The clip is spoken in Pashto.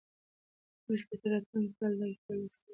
موږ به تر راتلونکي کاله دا کتاب لوستلی وي.